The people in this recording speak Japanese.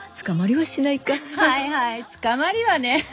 はいはい捕まりはね。